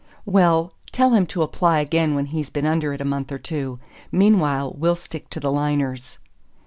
"Well, tell him to apply again when he's been under it a month or two. Meanwhile we'll stick to the liners."